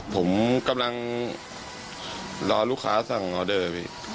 ผมกำลังรอลูกค้าสั่งออเดอร์พี่